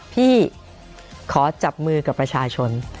พี่ขอจับมือกับประชาชน